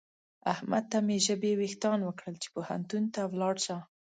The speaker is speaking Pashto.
احمد ته مې ژبې وېښتان وکړل چې پوهنتون ته ولاړ شه.